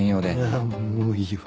あぁもういいよ。